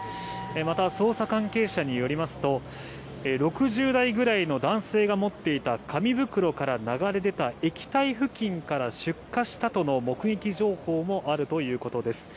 また、捜査関係者によりますと６０代くらいの男が持っていた紙袋から流れ出た液体付近から出火したとの情報があるということです。